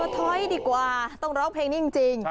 ถอยดีกว่าต้องร้องเพลงนี้จริง